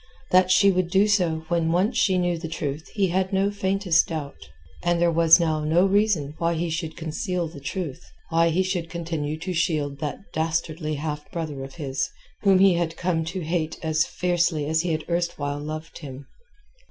That she would do so when once she knew the truth he had no faintest doubt. And there was now no reason why he should conceal the truth, why he should continue to shield that dastardly half brother of his, whom he had come to hate as fiercely as he had erstwhile loved him.